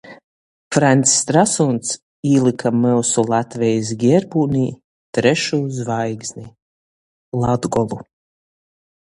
Fraņcs Trasuns īlyka myusu Latvejis gierbūnī trešū zvaigzni — Latgolu.